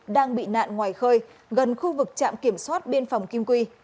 đang bị nạn ngoài khơi gần khu vực trạm kiểm soát biên phòng kim quy